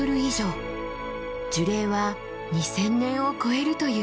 樹齢は２，０００年を超えるという。